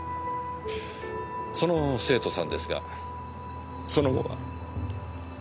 その生徒さんですがその後は？